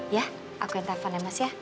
ya aku yang telepon ya mas ya